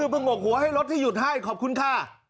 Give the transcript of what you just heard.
พึ่งหกหัวให้รถที่หยุดให้ขอบคุณค่ะ